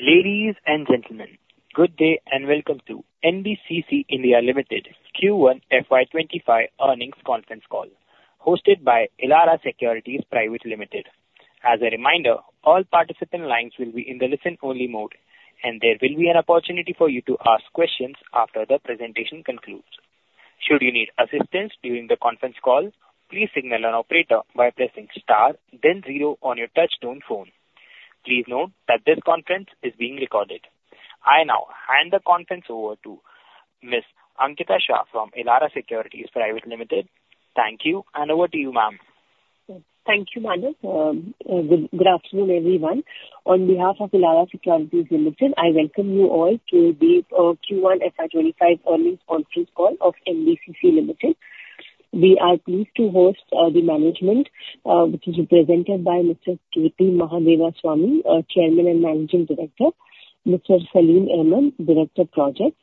Ladies and gentlemen, good day, and welcome to NBCC (India) Limited Q1 FY25 earnings conference call, hosted by Elara Securities (India) Private Limited. As a reminder, all participant lines will be in the listen-only mode, and there will be an opportunity for you to ask questions after the presentation concludes. Should you need assistance during the conference call, please signal an operator by pressing star then zero on your touchtone phone. Please note that this conference is being recorded. I now hand the conference over to Ms. Ankita Shah from Elara Securities (India) Private Limited. Thank you, and over to you, ma'am. Thank you, Manoj. Good afternoon, everyone. On behalf of Elara Securities Limited, I welcome you all to the Q1 FY 25 earnings conference call of NBCC Limited. We are pleased to host the management, which is represented by Mr. K.P. Mahadevaswamy, Chairman and Managing Director; Mr. Saleem Ahmad, Director, Projects;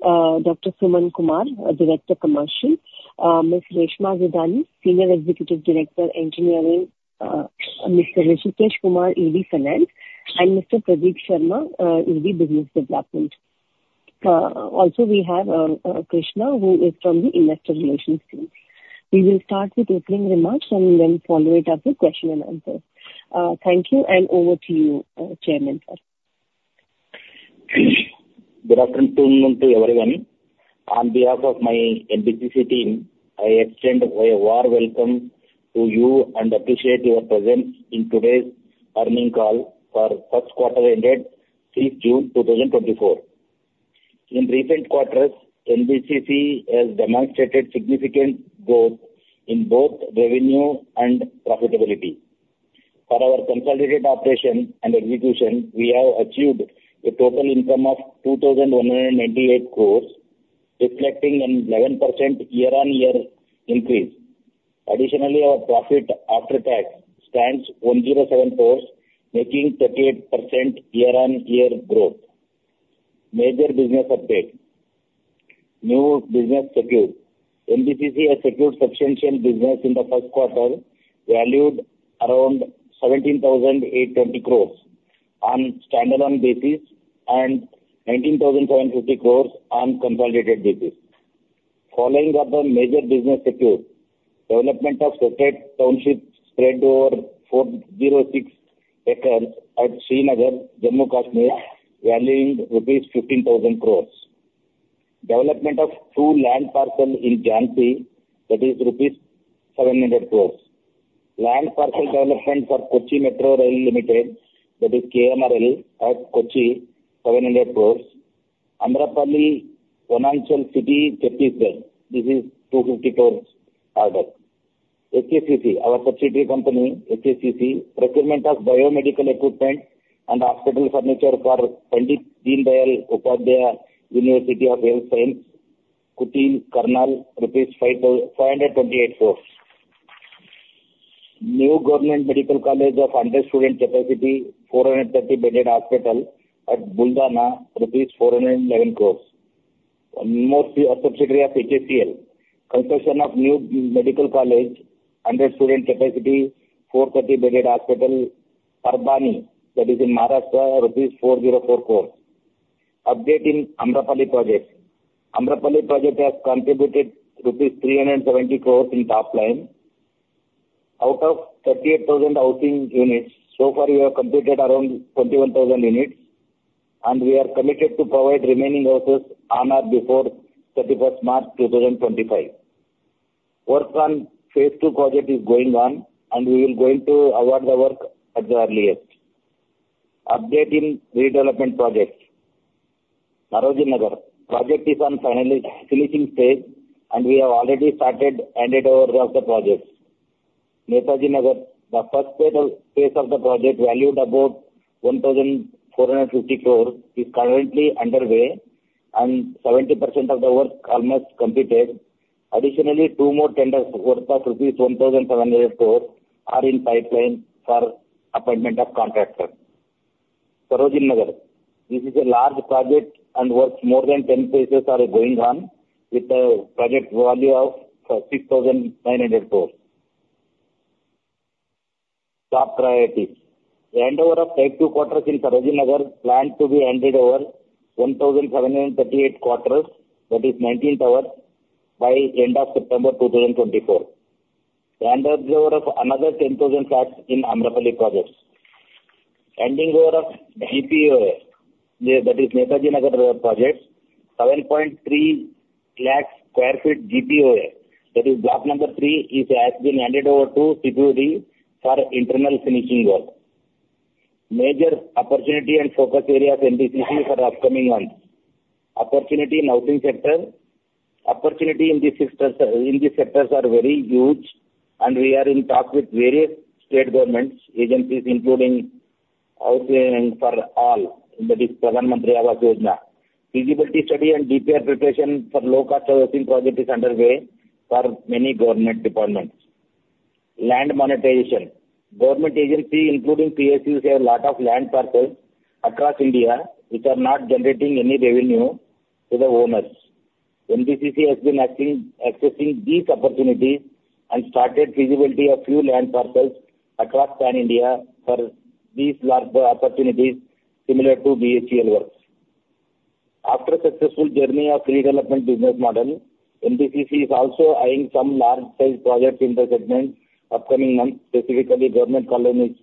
Dr. Suman Kumar, Director, Commercial; Ms. Reshma Dudhani, Senior Executive Director, Engineering; Mr. Hrishikesh Kumar, ED, Finance; and Mr. Pradeep Sharma, ED Business Development. Also we have Krishna, who is from the Investor Relations team. We will start with opening remarks and then follow it up with question and answer. Thank you, and over to you, Chairman, sir. Good afternoon to everyone. On behalf of my NBCC team, I extend a warm welcome to you and appreciate your presence in today's earnings call for first quarter ended 5th June, 2024. In recent quarters, NBCC has demonstrated significant growth in both revenue and profitability. For our consolidated operation and execution, we have achieved a total income of 2,198 crore, reflecting an 11% year-on-year increase. Additionally, our profit after tax stands at 107 crore, making 38% year-on-year growth. Major business update. New business secured. NBCC has secured substantial business in the first quarter, valued around 17,820 crore on standalone basis and 19,750 crore on consolidated basis. Following are the major business secured: Development of sector township spread over 406 acres at Srinagar, Jammu and Kashmir, valuing rupees 15,000 crore. Development of two land parcels in Jhansi, that is rupees 700 crore. Land parcel development for Kochi Metro Rail Limited, that is KMRL, at Kochi, INR 700 crore. Amrapali Financial City, Greater Noida, this is 250 crore order. HSCC, our subsidiary company, HSCC, procurement of biomedical equipment and hospital furniture for Pandit Deen Dayal Upadhyaya University of Health Sciences, Kutail, Karnal, INR 528 crore. New government medical college of 100-student capacity, 430-bedded hospital at Buldhana, INR 411 crore. Mostly a subsidiary of HSCL. Construction of new medical college, 100-student capacity, 430-bedded hospital, Parbhani, that is in Maharashtra, rupees 404 crore. Update in Amrapali project. Amrapali project has contributed INR 370 crore in top line. Out of 38,000 housing units, so far we have completed around 21,000 units, and we are committed to provide remaining houses on or before 31 March 2025. Work on phase two project is going on, and we will going to award the work at the earliest. Update in redevelopment projects. Sarojini Nagar project is on finishing stage, and we have already started handed over of the projects. Netaji Nagar, the first phase, phase of the project, valued about 1,450 crore, is currently underway, and 70% of the work almost completed. Additionally, two more tenders, worth of rupees 1,700 crore, are in pipeline for appointment of contractor. Sarojini Nagar. This is a large project and works more than 10 phases are going on with the project value of 6,900 crore. Top priorities. Handover of phase two quarters in Sarojini Nagar planned to be handed over 1,738 quarters, that is 19 towers, by end of September 2024. Handover of another 10,000 plots in Amrapali projects. Handing over of GPOA, that is Netaji Nagar project, 7.3 lakh sq ft GPOA, that is block number 3, is has been handed over to CPWD for internal finishing work. Major opportunity and focus areas NBCC for upcoming months. Opportunity in housing sector. Opportunity in the sectors, in the sectors are very huge, and we are in talks with various state governments, agencies, including housing for all, that is Pradhan Mantri Awas Yojana. Feasibility study and DPR preparation for low-cost housing project is underway for many government departments. Land monetization. Government agencies, including PSUs, have lot of land parcels across India, which are not generating any revenue to the owners. NBCC has been accessing these opportunities and started feasibility of few land parcels across Pan India for these large opportunities similar to BHEL works. After successful journey of redevelopment business model, NBCC is also eyeing some large size projects in the segment upcoming months, specifically government colonies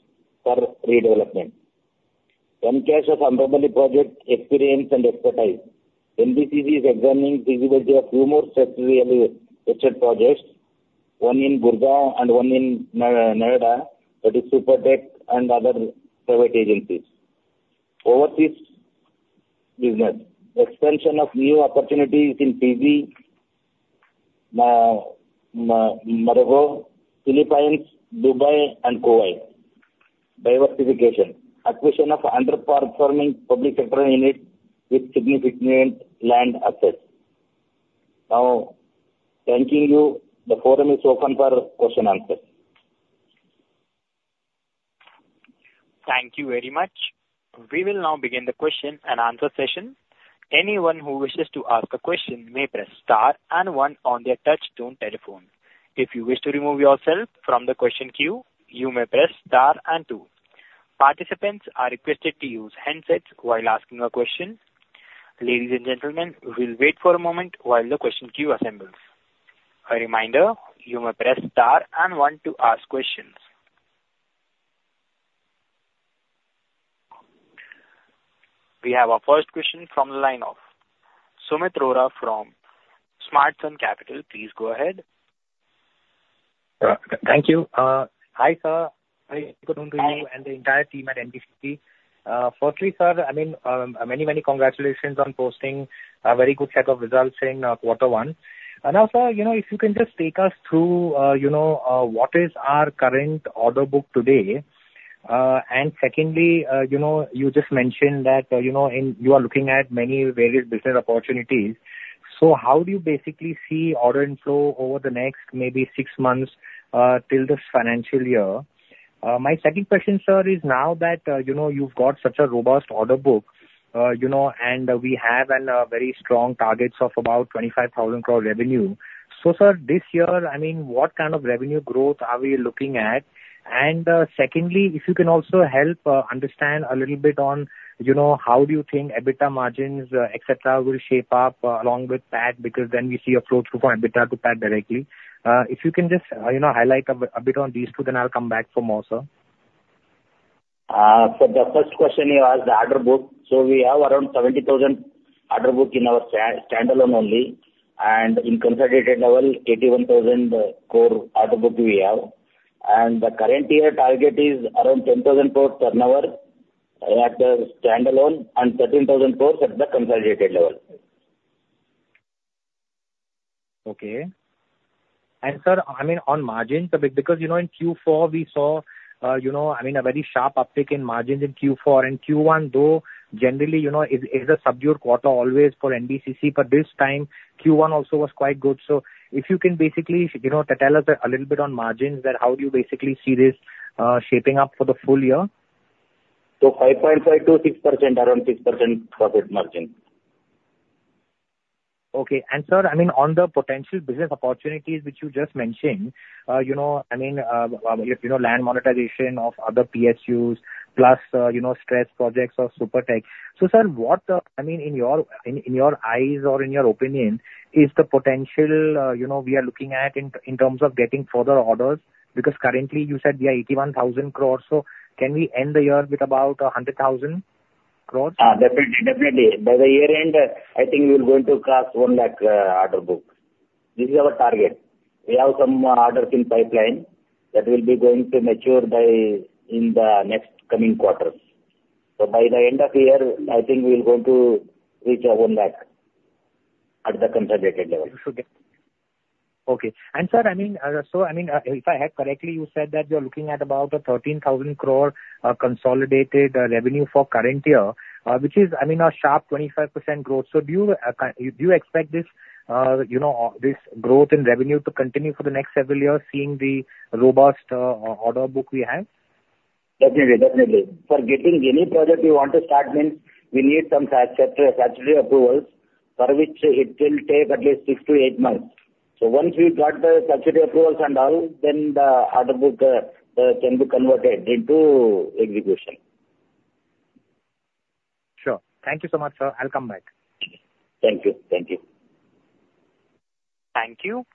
for redevelopment. In case of Amrapali project experience and expertise, NBCC is examining feasibility of few more strategically located projects, one in Gurgaon and one in Noida, that is Supertech and other private agencies. Overseas business. Expansion of new opportunities in Fiji, Morocco, Philippines, Dubai, and Kuwait. Diversification. Acquisition of underperforming public sector units with significant land assets. Now, thanking you, the forum is open for question answer. Thank you very much. We will now begin the question and answer session. Anyone who wishes to ask a question may press star and one on their touchtone telephone. If you wish to remove yourself from the question queue, you may press star and two. Participants are requested to use handsets while asking a question. Ladies and gentlemen, we'll wait for a moment while the question queue assembles. A reminder, you may press star and one to ask questions. We have our first question from the line of Sumeet Rohra from Smartsun Capital. Please go ahead. Thank you. Hi, sir. Very good morning to you- Hi. And the entire team at NBCC. Firstly, sir, I mean, many, many congratulations on posting a very good set of results in quarter one. And now, sir, you know, if you can just take us through, you know, what is our current order book today? And secondly, you know, you just mentioned that, you know, you are looking at many various business opportunities. So how do you basically see order inflow over the next maybe six months till this financial year? My second question, sir, is now that, you know, you've got such a robust order book, you know, and we have very strong targets of about 25,000 crore revenue. So sir, this year, I mean, what kind of revenue growth are we looking at? Secondly, if you can also help understand a little bit on, you know, how do you think EBITDA margins, et cetera, will shape up along with PAT, because then we see a flow through from EBITDA to PAT directly. If you can just, you know, highlight a bit on these two, then I'll come back for more, sir. So the first question you asked, the order book. So we have around 70,000 crore order book in our standalone only, and in consolidated level, 81,000 crore order book we have. And the current year target is around 10,000 crore turnover at the standalone and 13,000 crore at the consolidated level. Okay. And sir, I mean, on margins, because, you know, in Q4, we saw, you know, I mean, a very sharp uptick in margins in Q4. And Q1, though, generally, you know, is a subdued quarter always for NBCC, but this time, Q1 also was quite good. So if you can basically, you know, tell us a little bit on margins, then how do you basically see this shaping up for the full year? 5.5%-6%, around 6% profit margin. Okay. And sir, I mean, on the potential business opportunities which you just mentioned, you know, I mean, you know, land monetization of other PSUs, plus, you know, stress projects of Supertech. So, sir, what, I mean, in your, in, in your eyes or in your opinion, is the potential, you know, we are looking at in terms of getting further orders? Because currently, you said we are 81,000 crore. So can we end the year with about 100,000 crore? Definitely, definitely. By the year-end, I think we are going to cross 1 lakh order book. This is our target. We have some orders in pipeline that will be going to mature by... in the next coming quarters. So by the end of the year, I think we are going to reach INR 1 lakh at the consolidated level. Okay. Sir, I mean, so I mean, if I heard correctly, you said that you're looking at about 13,000 crore consolidated revenue for current year, which is, I mean, a sharp 25% growth. So do you expect this, you know, this growth in revenue to continue for the next several years, seeing the robust order book we have? Definitely. Definitely. For getting any project we want to start, means we need some statutory approvals, for which it will take at least 6-8 months. So once we got the statutory approvals and all, then the order book can be converted into execution. Sure. Thank you so much, sir. I'll come back. Thank you. Thank you. Thank you.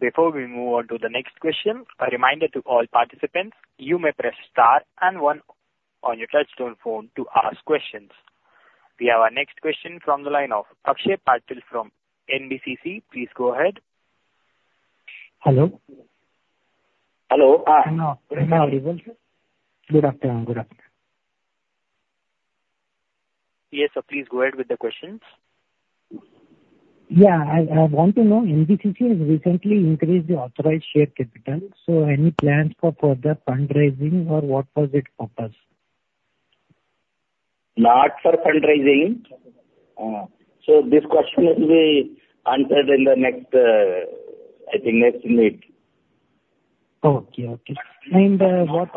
Before we move on to the next question, a reminder to all participants, you may press Star and one on your touchtone phone to ask questions. We have our next question from the line of Akshay Patil from NBCC. Please go ahead. Hello? Hello. Uh- Hello. Good afternoon, sir. Good afternoon. Good afternoon. Yes, sir, please go ahead with the questions. Yeah. I want to know, NBCC has recently increased the authorized share capital, so any plans for further fundraising or what was its purpose? Not for fundraising. So this question will be answered in the next, I think next meet.... Okay, okay. And, what,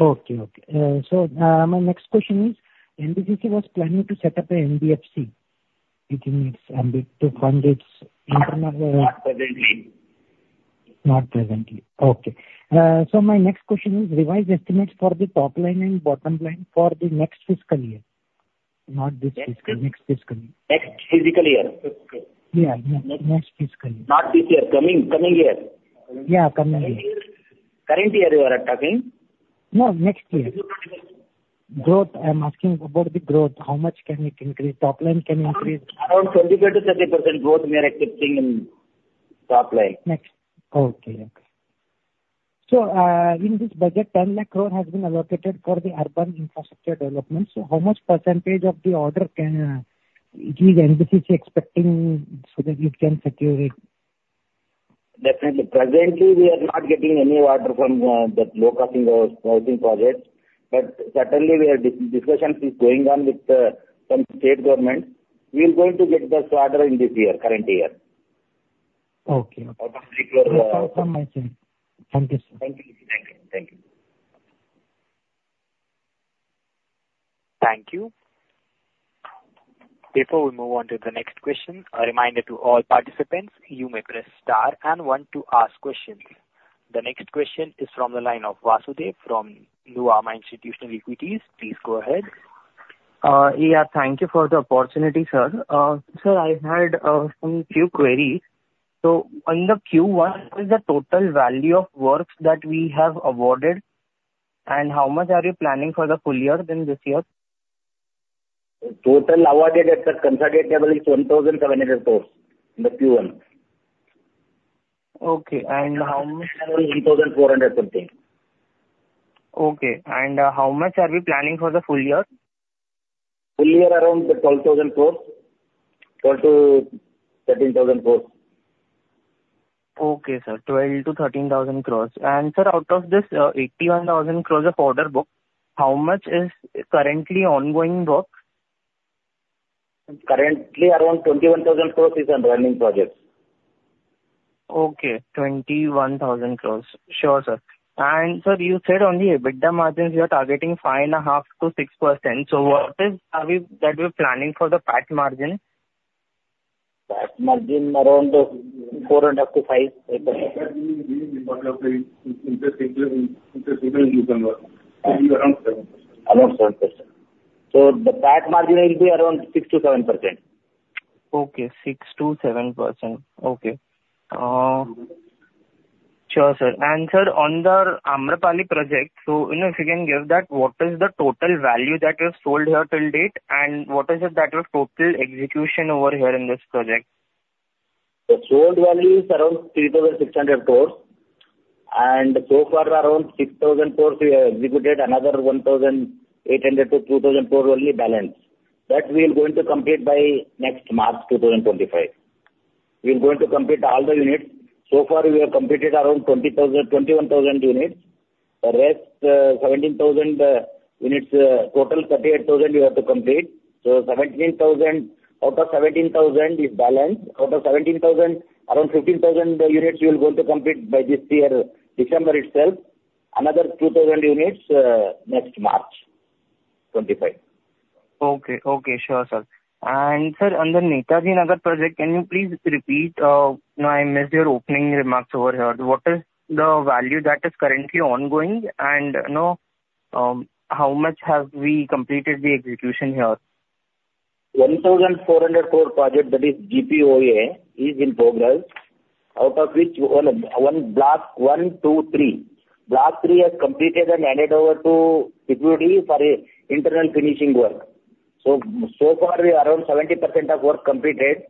okay, okay. So, my next question is, NBCC was planning to set up a NBFC within its ambit to fund its internal Not presently. Not presently. Okay. So my next question is, revised estimates for the top line and bottom line for the next fiscal year? Not this fiscal, next fiscal year. Next fiscal year? Okay. Yeah, yeah. Next fiscal year. Not this year, coming year? Yeah, coming year. Current year, you are talking? No, next year. Growth, I'm asking about the growth. How much can it increase, top line can increase? Around 25%-30% growth we are expecting in top line. Next. Okay, okay. So, in this budget, 1,000,000 crore has been allocated for the urban infrastructure development. So how much percentage of the order can, is NBCC expecting, so that it can secure it? Definitely. Presently, we are not getting any order from that local housing projects, but certainly discussions is going on with some state governments. We are going to get the order in this year, current year. Okay. Around INR 3 crore. Thank you, sir. Thank you. Thank you. Thank you. Thank you. Before we move on to the next question, a reminder to all participants, you may press star and one to ask questions. The next question is from the line of Vasudev from Nuvama Institutional Equities. Please go ahead. Yeah, thank you for the opportunity, sir. Sir, I had some few queries. In the Q1, what is the total value of works that we have awarded, and how much are you planning for the full year in this year? Total awarded at the consolidated level is INR 1,700 crore in the Q1. Okay, and how much- ,400 something. Okay, and, how much are we planning for the full year? Full year around 12,000 crores, 12,000-13,000 crores. Okay, sir. 12,000-13,000 crore. Sir, out of this, 81,000 crore of order book, how much is currently ongoing work? Currently, around 21,000 crore is on running projects. Okay, 21,000 crore. Sure, sir. And sir, you said only EBITDA margins, you are targeting 5.5%-6%. So what is, are we, that we're planning for the PAT margin? PAT margin around 4 and up to 5. Around 7%. So the PAT margin will be around 6%-7%. Okay, 6%-7%. Okay. Sure, sir. Sir, on the Amrapali project, so you know, if you can give that, what is the total value that you've sold here till date, and what is the total execution over here in this project? The sold value is around 3,600 crore, and so far around 6,000 crore we have executed, another 1,800 crore-2,000 crore only balance. That we are going to complete by next March 2025. We are going to complete all the units. So far, we have completed around 20,000, 21,000 units. The rest, 17,000 units, total 38,000 we have to complete. So 17,000, out of 17,000 is balance. Out of 17,000, around 15,000 units we are going to complete by this year, December itself. Another 2,000 units, next March 2025. Okay. Okay, sure, sir. Sir, on the Netaji Nagar project, can you please repeat, now I missed your opening remarks over here. What is the value that is currently ongoing, and, you know, how much have we completed the execution here? 1,400 crore project, that is GPOA, is in progress. Out of which, 1, 1 block 1, 2, 3. Block 3 has completed and handed over to Estates for internal finishing work. So, so far, we around 70% of work completed.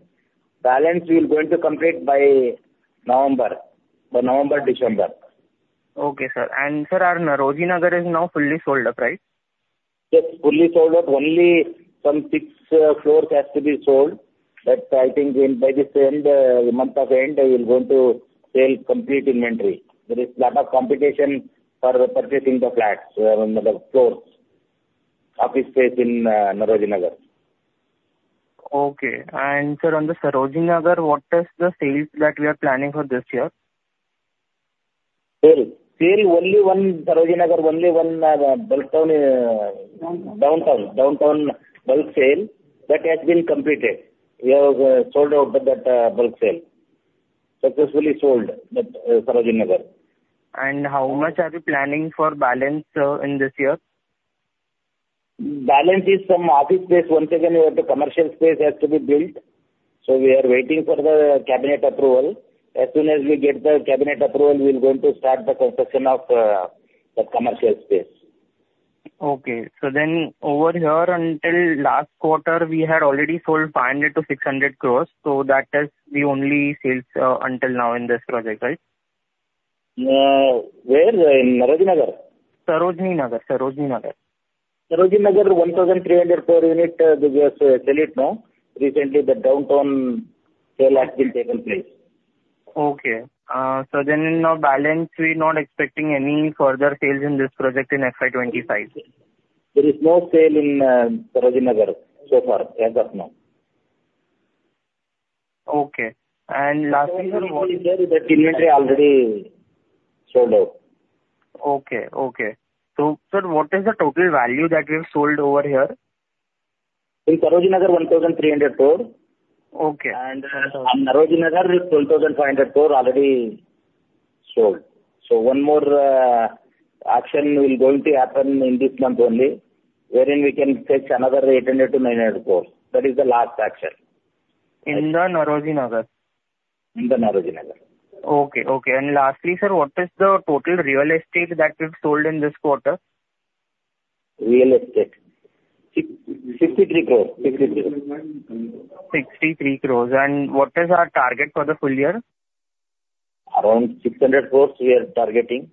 Balance, we are going to complete by November, by November, December. Okay, sir. And sir, our Nauroji Nagar is now fully sold up, right? Yes, fully sold out. Only some six floors has to be sold, but I think in, by this end, month of end, we are going to sell complete inventory. There is lot of competition for purchasing the flats, the floors, office space in, Nauroji Nagar. Okay. Sir, on the Sarojini Nagar, what is the sales that we are planning for this year? Saleem. Saleem, only one, Sarojini Nagar, only one, Buldhana. Downtown. Downtown. Downtown bulk sale that has been completed. We have sold out that bulk sale. Successfully sold that Sarojini Nagar. How much are you planning for balance, in this year? Balance is some office space. Once again, we have the commercial space has to be built. So we are waiting for the cabinet approval. As soon as we get the cabinet approval, we're going to start the construction of the commercial space. Okay. So then over here, until last quarter, we had already sold 500 crore-600 crore, so that is the only sales until now in this project, right? Where? In Nauroji Nagar? Sarojini Nagar. Sarojini Nagar. Sarojini Nagar, INR 1,300 crore unit, we have sell it now. Recently, the downtown sale has been taken place. Okay. Then in our balance, we're not expecting any further sales in this project in FY 25? There is no sale in Sarojini Nagar so far, as of now.... Okay, and lastly, sir, what- Sir, the inventory already sold out. Okay, okay. So sir, what is the total value that we've sold over here? In Sarojini Nagar, 1,300 crore. Okay. On Sarojini Nagar, it's 12,500 crore already sold. So one more auction will going to happen in this month only, wherein we can fetch another INR 800-INR 900 crore. That is the last auction. In the Nauroji Nagar? In the Nauroji Nagar. Okay, okay. Lastly, sir, what is the total real estate that we've sold in this quarter? Real estate. 663 crores. 63 crores. 63 crore. What is our target for the full year? Around 600 crore we are targeting.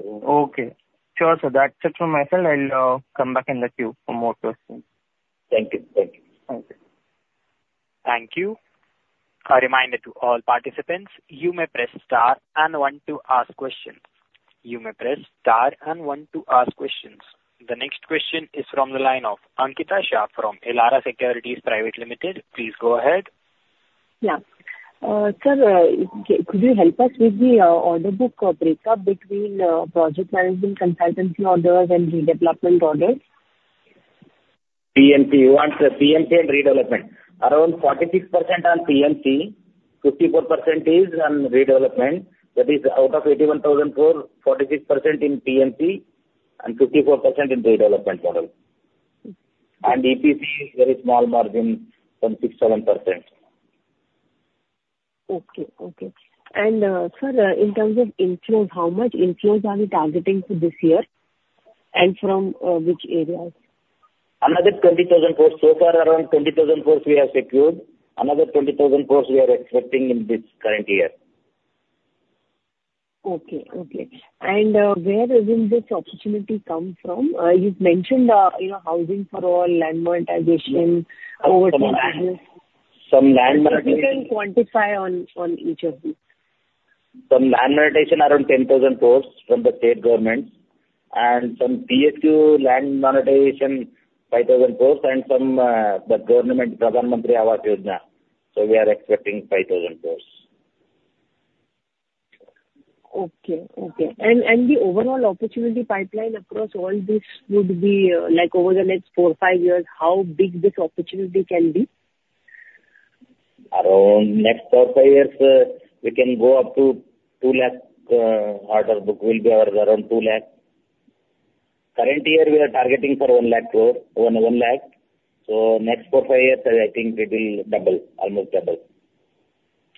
Okay. Sure, sir. That's it from my side. I'll come back in the queue for more questions. Thank you. Thank you. Thank you. Thank you. A reminder to all participants, you may press star and one to ask questions. You may press star and one to ask questions. The next question is from the line of Ankita Shah from Elara Securities Private Limited. Please go ahead. Yeah. Sir, could you help us with the order book breakup between project management consultancy orders and redevelopment orders? PMC, you want the PMC and redevelopment. Around 46% on PMC, 54% is on redevelopment. That is out of 81,000 crore, 46% in PMC and 54% in redevelopment model. EPC is very small margin, some 6-7%. Okay, okay. Sir, in terms of inflows, how much inflows are we targeting for this year, and from which areas? Another 20,000 crore. So far, around 20,000 crore we have secured. Another 20,000 crore we are expecting in this current year. Okay, okay. And, where is in this opportunity come from? You've mentioned, you know, Housing for All, Land Monetization, over- Some land monetization. If you can quantify on each of these. From land monetization, around 10,000 crore from the state government, and some PSU land monetization, 5,000 crore, and some, the government Pradhan Mantri Awas Yojana, so we are expecting 5,000 crore. Okay, okay. And the overall opportunity pipeline across all this would be, like over the next 4-5 years, how big this opportunity can be? Around next 4-5 years, we can go up to 200,000 crore, order book will be around 200,000 crore. Current year, we are targeting for 100,000 crore. So next 4-5 years, I think it will double, almost double.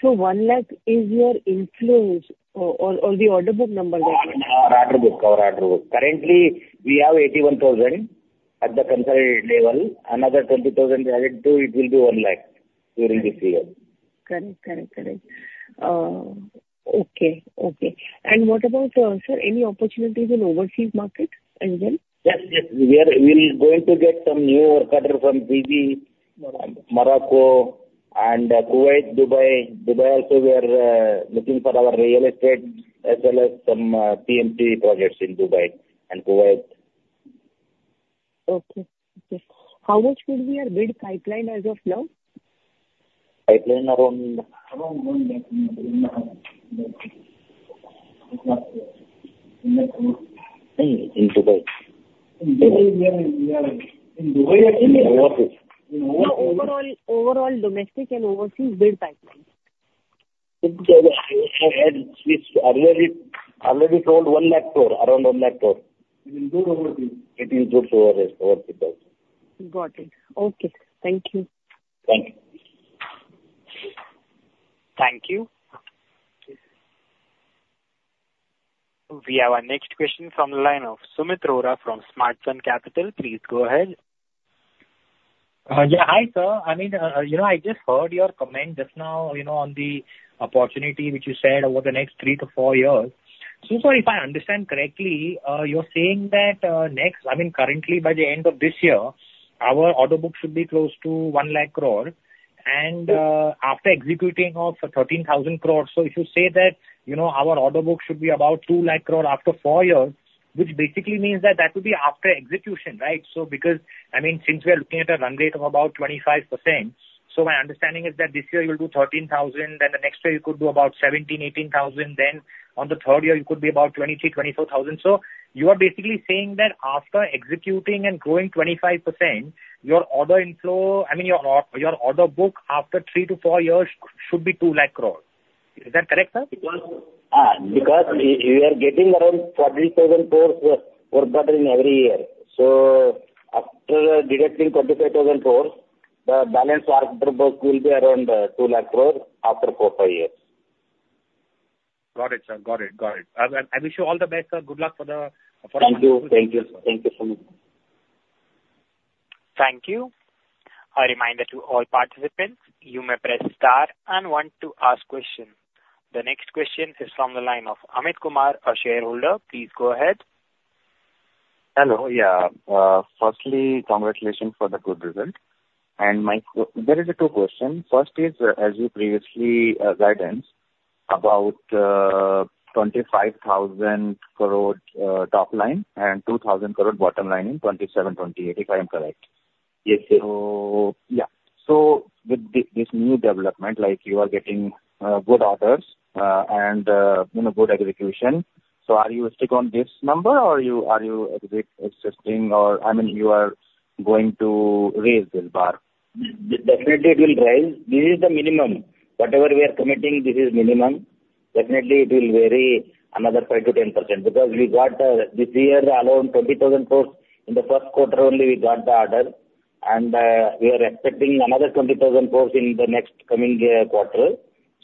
So 1 lakh is your inflows, or the order book number? Our order book, our order book. Currently, we have 81,000 at the consolidated level. Another 20,000 we add to, it will be 100,000 during this year. Correct, correct, correct. Okay, okay. And what about, sir, any opportunities in overseas market as well? Yes, yes. We are, we're going to get some new work order from Fiji, Morocco, and Kuwait, Dubai. Dubai also, we are looking for our real estate as well as some PMC projects in Dubai and Kuwait. Okay, okay. How much would be our build pipeline as of now? Pipeline around 1 lakh. In Dubai. Overseas. No, overall, overall domestic and overseas bid pipeline. I already sold INR 100,000 crore, around INR 100,000 crore. It will go overseas. It will go to overseas, overseas market. Got it. Okay, sir. Thank you. Thank you. Thank you. We have our next question from the line of Sumeet Rohra from Smart Sun Capital. Please go ahead. Yeah. Hi, sir. I mean, you know, I just heard your comment just now, you know, on the opportunity which you said over the next 3-4 years. So, sir, if I understand correctly, you're saying that, I mean, currently by the end of this year, our order book should be close to 100,000 crore, and, after executing of 13,000 crore. So if you say that, you know, our order book should be about 200,000 crore after four years, which basically means that that would be after execution, right? So because, I mean, since we are looking at a run rate of about 25%, so my understanding is that this year you'll do 13,000, then the next year you could do about 17,000-18,000, then on the third year, you could be about 23,000-24,000. So you are basically saying that after executing and growing 25%, your order inflow, I mean, your order book after 3 to 4 years should be 200,000 crore. Is that correct, sir? Because we are getting around 40,000 crore work order every year. So after deducting 25,000 crore, the balance order book will be around 200,000 crore after 4-5 years. Got it, sir. Got it. Got it. I, I wish you all the best, sir. Good luck for the- Thank you. Thank you. Thank you, Sumeet. Thank you. A reminder to all participants, you may press star and one to ask question. The next question is from the line of Amit Kumar, a shareholder. Please go ahead. Hello, yeah. Firstly, congratulations for the good result. And my question—there is two questions. First is, as you previously guidance about 25,000 crore top line and 2,000 crore bottom line in 2027, 2028, if I am correct? Yes, sir. So, yeah. So with this new development, like you are getting good orders, and you know, good execution. So are you stick on this number, or you are a bit adjusting or, I mean, you are going to raise the bar? Definitely, it will rise. This is the minimum. Whatever we are committing, this is minimum. Definitely, it will vary another 5%-10%, because we got this year alone, 20,000 crore. In the first quarter only, we got the order, and we are expecting another 20,000 crore in the next coming year quarter.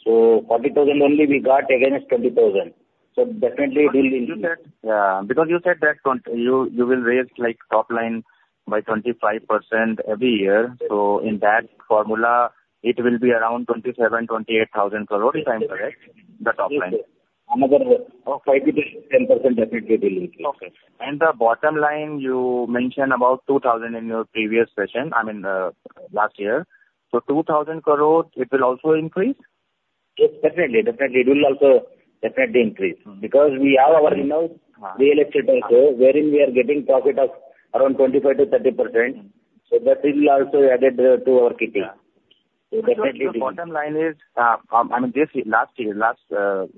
So 40,000 crore only we got against 20,000 crore. So definitely it will increase. You said, because you said that you will raise, like, top line by 25% every year. So in that formula, it will be around 27,000 crore-28,000 crore, if I am correct, the top line? Yes, sir. Another 5%-10% definitely will increase. Okay. The bottom line, you mentioned about 2,000 crore in your previous session, I mean, last year. 2,000 crore, it will also increase? Yes, definitely, definitely. It will also definitely increase, because we have our, you know, real estate also, wherein we are getting profit of around 25%-30%. So that it will also added to our kitty. Definitely. The bottom line is, I mean, this last year, last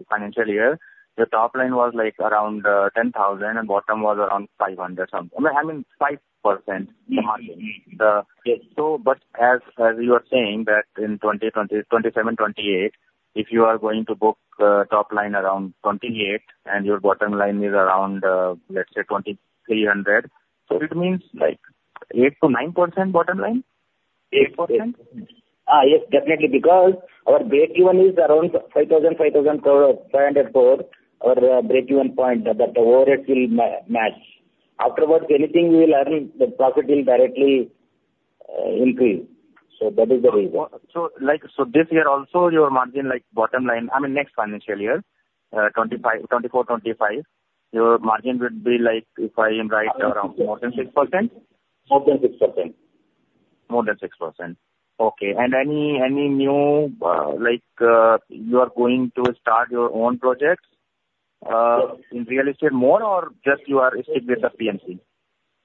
financial year, the top line was, like, around 10,000, and bottom was around 500 something. I mean 5%, the margin. Mm-hmm. Mm-hmm. The- Yes. So, but as, as you are saying that in 2027, 2028, if you are going to book top line around 28, and your bottom line is around, let's say 2,300, so it means like 8%-9% bottom line? 8%. Yes, definitely, because our breakeven is around 5,500 crore, our breakeven point, that overhead will match. Afterwards, anything we will earn, the profit will directly increase, so that is the reason. So, like, so this year also, your margin, like, bottom line, I mean, next financial year, 2025, 2024, 2025, your margin would be like, if I am right, around more than 6%? More than 6%. More than 6%. Okay, and any new, like, you are going to start your own projects, in real estate more or just you are stick with the PMC?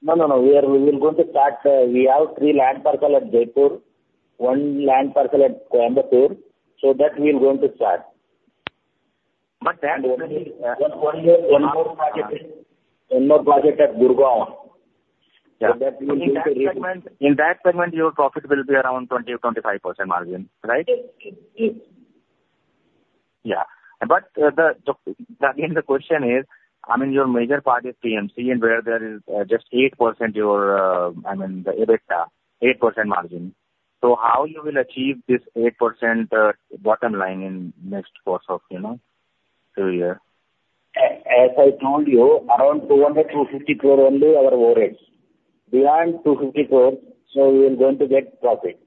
No, no, no. We are going to start. We have three land parcel at Jaipur, one land parcel at Coimbatore, so that we are going to start. But that's only- One more project at Gurgaon. Yeah. So that we will be- In that segment, in that segment, your profit will be around 20-25% margin, right? Yes. Yes. Yeah. But again, the question is, I mean, your major part is PMC, and where there is just 8% your, I mean, the EBITDA, 8% margin. So how you will achieve this 8%, bottom line in next course of, you know, two year? As I told you, around 200-250 crore only, our overheads. Beyond 250 crores, so we are going to get profit.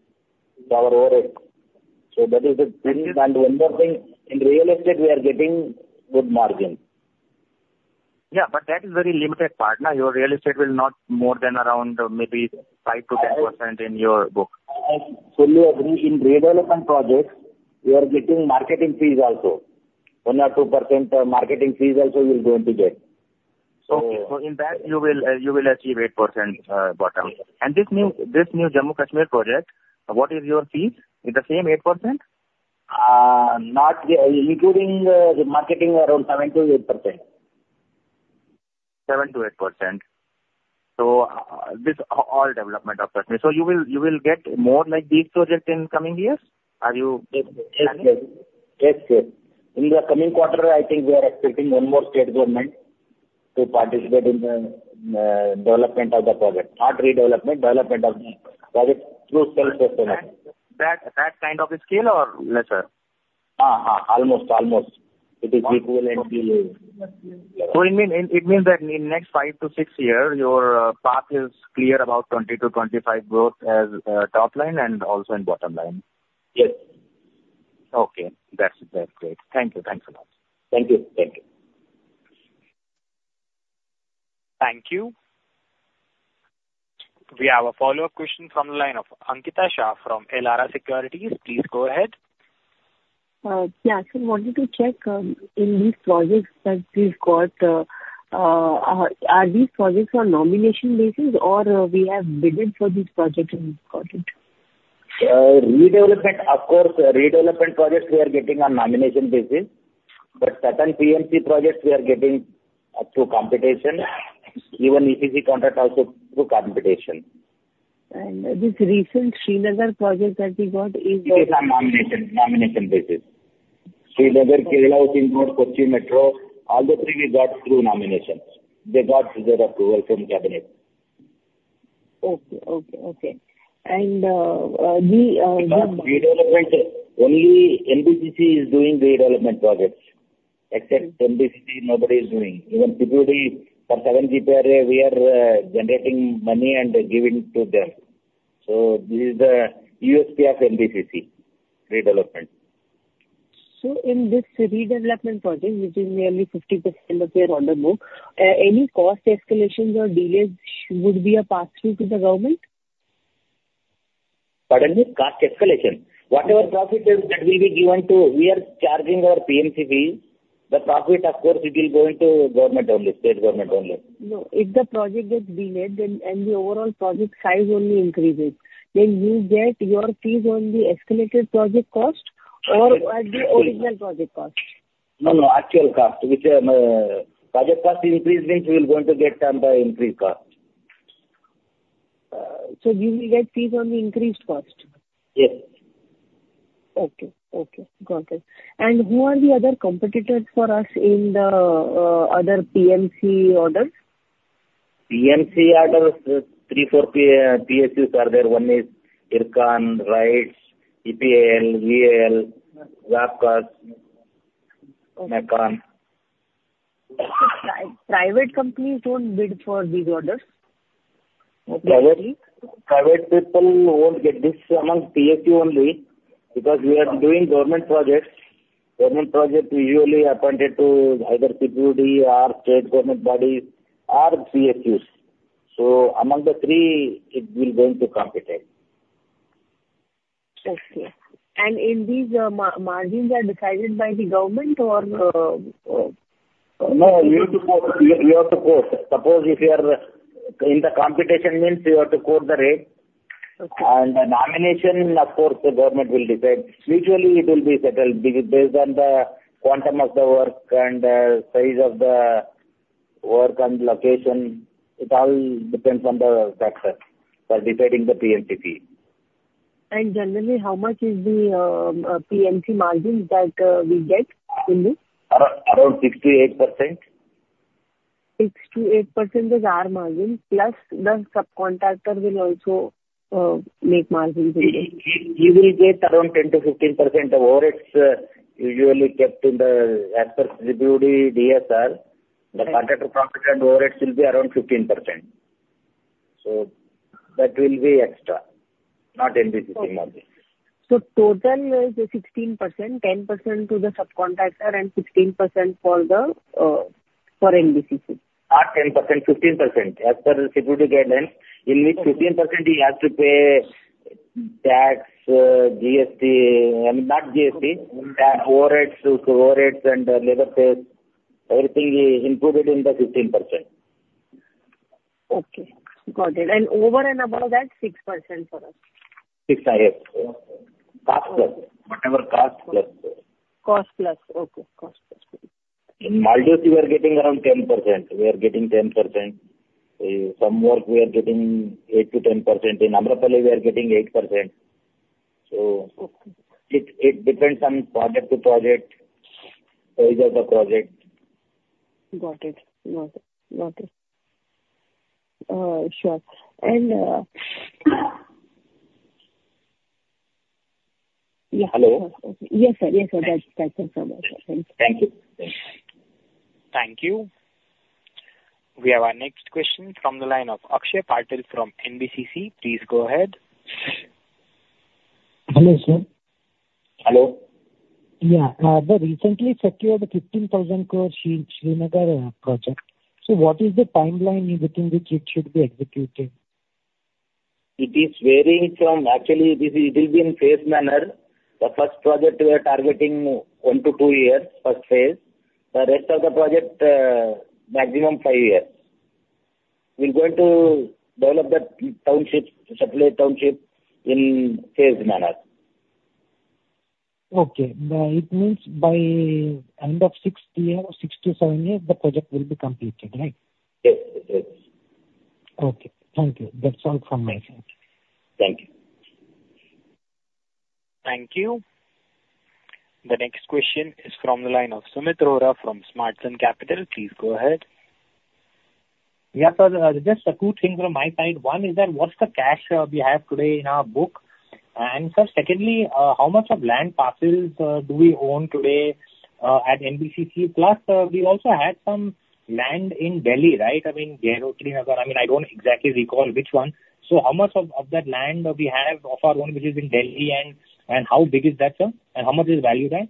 It's our overhead. So that is the thing, and another thing, in real estate, we are getting good margin. Yeah, but that is very limited part, no? Your real estate will not more than around maybe 5%-10% in your book. I fully agree. In redevelopment projects, we are getting marketing fees also. One or two percent, marketing fees also we are going to get. Okay. So in that, you will, you will achieve 8%, bottom. Yes. This new Jammu and Kashmir project, what is your fees? Is the same 8%? Not yeah, including the marketing, around 7%-8%. 7%-8%. So, this, all development opportunity. So you will, you will get more like these projects in coming years? Are you- Yes, yes. Yes, yes. In the coming quarter, I think we are expecting one more state government to participate in thevelopment of the project. Not redevelopment, development of the project through self-sustainable. That kind of a scale or lesser? Almost. It is equivalent to... So it means that in next 5-6 year, your path is clear about 20 to 25 growth as top line and also in bottom line. Yes. Okay. That's, that's great. Thank you. Thanks a lot. Thank you. Thank you. Thank you. We have a follow-up question from the line of Ankita Shah from Elara Securities. Please go ahead. Yeah, I wanted to check in these projects that you've got, are these projects on Nomination Basis or we have bidded for these projects and got it? Redevelopment, of course, redevelopment projects we are getting on nomination basis, but certain PMC projects we are getting through competition. Even EPC contract also through competition. This recent Srinagar project that we got, is it? It's on nomination, nomination basis. Srinagar, Kerala, Kochi Metro, all the three we got through nominations. They got their approval from cabinet. Okay. Okay, okay. And, we- Because redevelopment, only NBCC is doing redevelopment projects. Except NBCC, nobody is doing. Even CPWD, for 7 GPRA, we are generating money and giving to them. So this is the USP of NBCC, redevelopment. In this redevelopment project, which is nearly 50% of your order book, any cost escalations or delays would be a pass-through to the government?... Pardon me? Cost escalation. Whatever profit that, that will be given to, we are charging our PMC fee. The profit, of course, it will go into government only, state government only. No, if the project gets delayed and the overall project size only increases, then you get your fees on the escalated project cost or at the original project cost? No, no, actual cost, which project cost increase means we are going to get some increased cost. So you will get fees on the increased cost? Yes. Okay. Okay, got it. And who are the other competitors for us in the other PMC orders? PMC orders, 3, 4 PSUs are there. One is IRCON, RITES, EPIL, MECON, WAPCOS- Okay. Mecon. Private companies don't bid for these orders? Okay. Private, private people won't get this. Among PSU only, because we are doing government projects. Government projects usually appointed to either CPWD or state government bodies or PSUs. So among the three, it will going to compete it. Okay. And in these, margins are decided by the government or...? No, you have to quote, you, you have to quote. Suppose if you are in the competition, means you have to quote the rate. Okay. The nomination, of course, the government will decide. Usually it will be settled based on the quantum of the work and size of the work and location. It all depends on the factors for deciding the PMC fee. Generally, how much is the PMC margin that we get in this? Around 6%-8%. 6%-8% is our margin, plus the subcontractor will also make margin as well. He will get around 10%-15%. The overheads usually kept in as per CPWD DSR. Okay. The contractor profit and overheads will be around 15%. So that will be extra, not NBCC margin. Okay. So total is 16%, 10% to the subcontractor and 16% for the, for NBCC. Not 10%, 15%. As per the security guidelines, in this 15% he has to pay tax, GST. I mean, not GST, tax, overheads, overheads and labor pay, everything is included in the 15%. Okay, got it. And over and above that, 6% for us? 6, yes. Cost plus. Whatever cost plus. Cost plus. Okay, cost plus. In Maldives, we are getting around 10%. We are getting 10%. Some work we are getting 8%-10%. In Amrapali, we are getting 8%. So- Okay. It depends on project to project, size of the project. Got it. Got it. Got it. Sure. And... Yeah. Hello? Yes, sir. Yes, sir. That's it from my side. Thank you. Thank you. Thank you. We have our next question from the line of Akshay Patil from NBCC. Please go ahead. Hello, sir. Hello. Yeah. The recently secured 15,000 crore Srinagar project. So what is the timeline within which it should be executed? It is varying from... Actually, this, it will be in phase manner. The first project we are targeting 1-2 years, first phase. The rest of the project, maximum 5 years. We're going to develop that township, satellite township in phase manner. Okay. It means by end of sixth year or sixth to seven years, the project will be completed, right? Yes, it is. Okay, thank you. That's all from my side. Thank you. Thank you. The next question is from the line of Sumeet Rohra from Smart Sun Capital. Please go ahead. Yeah, sir, just a two thing from my side. One is that, what's the cash we have today in our book? And sir, secondly, how much of land parcels do we own today at NBCC? Plus, we also had some land in Delhi, right? I mean, Gurgaon, I mean, I don't exactly recall which one. So how much of that land we have of our own, which is in Delhi, and how big is that, sir, and how much is value there?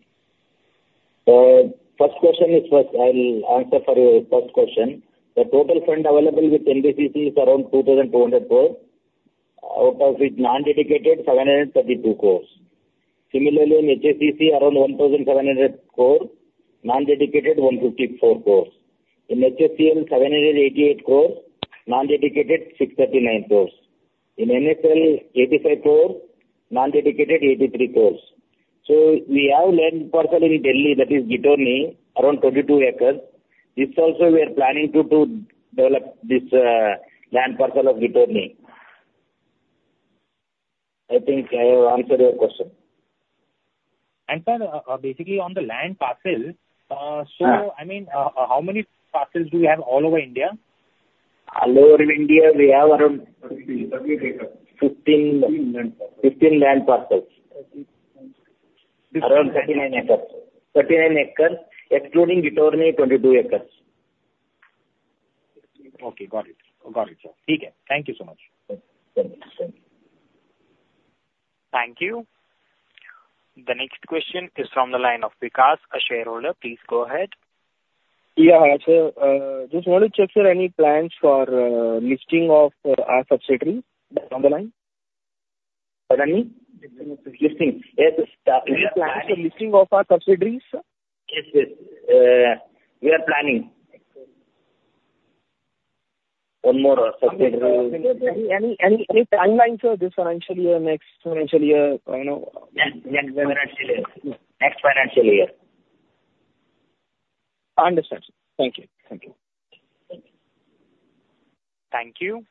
First question is first. I'll answer for you first question. The total fund available with NBCC is around 2,200 crore, out of it, non-dedicated 732 crore. Similarly, in HSCC, around 1,700 crore, non-dedicated 154 crore. In HSCL, 788 crore, non-dedicated 639 crore. In NSL, 85 crore, non-dedicated 83 crore. So we have land parcel in Delhi, that is, Ghitorni, around 22 acres. This also we are planning to develop this land parcel of Ghitorni. I think I have answered your question. Sir, basically on the land parcel, Yeah. So I mean, how many parcels do we have all over India? All over India, we have around 15, 15 land parcels. Around 39 acres. 39 acres, excluding Ghitorni, 22 acres. Okay, got it. Got it, sir. Thank you so much. Thank you. Thank you. Thank you. The next question is from the line of Vikas, a shareholder. Please go ahead. Yeah, hi, sir. Just want to check if there any plans for listing of our subsidiary down the line? Pardon me? Listing. Yes, sir. Any plans for listing of our subsidiaries, sir? Yes, yes. We are planning. One more subsidiary. Any timeline, sir? This financial year, next financial year, I know- Next financial year. Next financial year. Understood, sir. Thank you. Thank you. Thank you.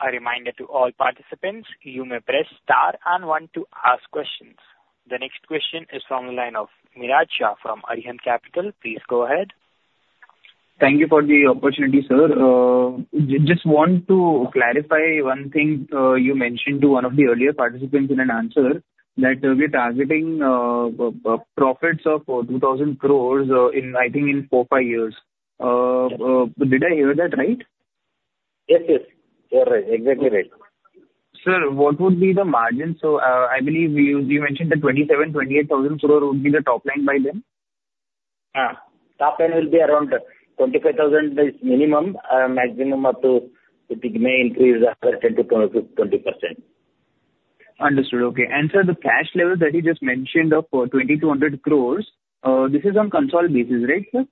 A reminder to all participants, you may press star and one to ask questions. The next question is from the line of Miraj Shah from Arihant Capital. Please go ahead. Thank you for the opportunity, sir. Just want to clarify one thing. You mentioned to one of the earlier participants in an answer that we're targeting profits of 2,000 crore in, I think, in four, five years. Did I hear that right? Yes, yes, you are right. Exactly right. Sir, what would be the margin? I believe you mentioned that 27,000-28,000 crore would be the top line by then. Top line will be around 25,000 is minimum, maximum up to, it may increase up to 10%-20%. Understood. Okay. And sir, the cash level that you just mentioned of 2,200 crore, this is on consolidated basis, right, sir?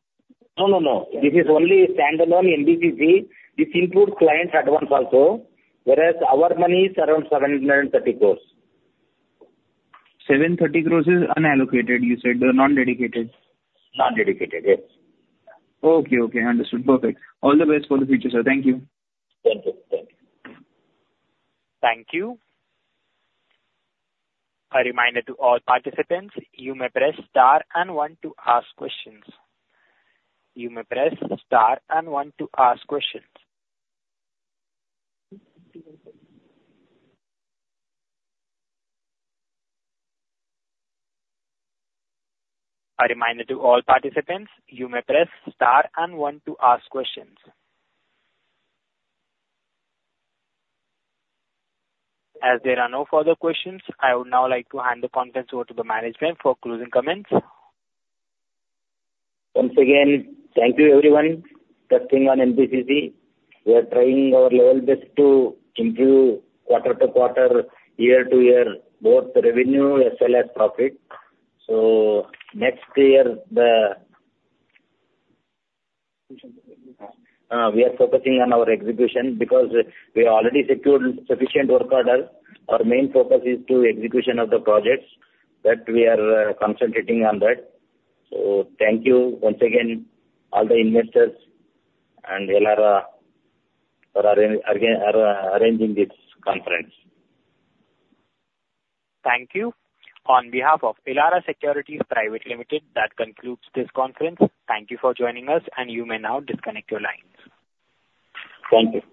No, no, no. This is only standalone NBCC. This includes client advance also, whereas our money is around 730 crore. 730 crore is unallocated, you said, non-dedicated? Non-dedicated, yes. Okay, okay. Understood. Perfect. All the best for the future, sir. Thank you. Thank you. Thank you. Thank you. A reminder to all participants, you may press star and one to ask questions. You may press star and one to ask questions. A reminder to all participants, you may press star and one to ask questions. As there are no further questions, I would now like to hand the conference over to the management for closing comments. Once again, thank you, everyone, trusting on NBCC. We are trying our level best to improve quarter to quarter, year to year, both revenue as well as profit. So next year, we are focusing on our execution because we have already secured sufficient work order. Our main focus is to execution of the projects, that we are concentrating on that. So thank you once again, all the investors and Elara for arranging this conference. Thank you. On behalf of Elara Securities Private Limited, that concludes this conference. Thank you for joining us, and you may now disconnect your lines. Thank you.